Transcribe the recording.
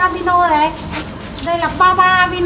mình bán cho bọn chúng xinh nhiều mà